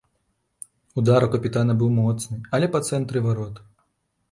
Удар у капітана быў моцны, але па цэнтры варот.